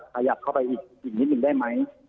ขยับเข้าไปอีกนิดหนึ่งได้ไหม